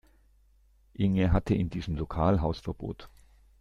Inge hatte in diesem Lokal Hausverbot